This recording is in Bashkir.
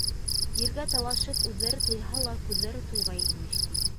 Ергә талашып, үҙҙәре туйһа ла, күҙҙәре туймай, имеш, ти.